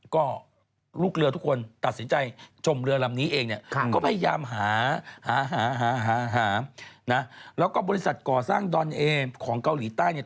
ก็ลูกเรือทุกคนตัดสินใจจมเรือลำนี้เองเนี่ยก็พยายามหาหานะแล้วก็บริษัทก่อสร้างดอนเอของเกาหลีใต้เนี่ย